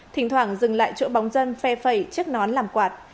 thỉnh thoảng dừng lại chỗ bóng dân phe phẩy chất nón làm quạt